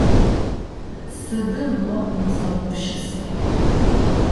Сыдым о узэгъупщысы?